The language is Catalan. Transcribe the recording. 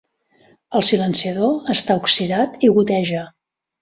El silenciador està oxidat i goteja.